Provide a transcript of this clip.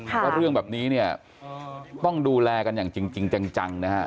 เพราะเรื่องแบบนี้เนี่ยต้องดูแลกันอย่างจริงจังนะฮะ